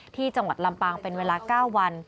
ที่จังหวัดลำปางเป็นเวลา๙วัน